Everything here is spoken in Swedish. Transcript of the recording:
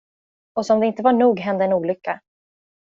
Och som det inte var nog hände en olycka.